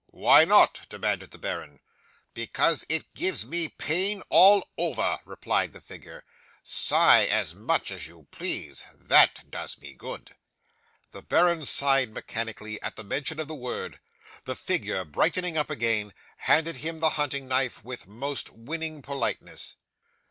'"Why not?" demanded the baron. '"Because it gives me pain all over," replied the figure. "Sigh as much as you please: that does me good." 'The baron sighed mechanically at the mention of the word; the figure, brightening up again, handed him the hunting knife with most winning politeness.